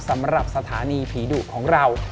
สำหรับสถานีผีดุของเรา